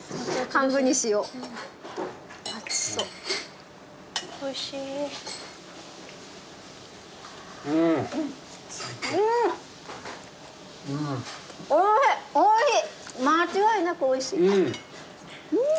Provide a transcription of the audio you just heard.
間違いなくおいしい。